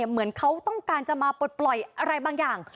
เหมือนเขาต้องการจะมาปลดปล่อยอะไรบางอย่าง